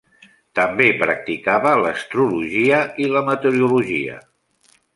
També practicava l'astrologia i la meteorologia.